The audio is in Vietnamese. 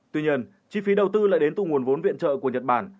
tuy nhiên chi phí đầu tư lại đến từ nguồn vốn viện trợ của nhật bản